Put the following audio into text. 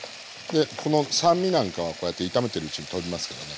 この酸味なんかはこうやって炒めてるうちにとびますからね。